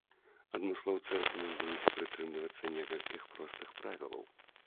Адмыслоўцы рэкамендуюць прытрымлівацца некалькіх простых правілаў.